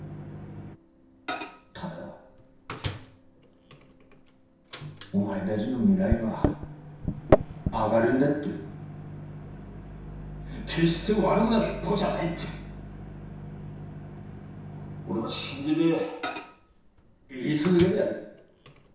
ただお前だぢの未来は明るいんだって決して悪ぐなる一方じゃないって俺は信じで言い続げでやりたい。